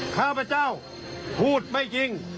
ข้าพเจ้าพูดไม่จริง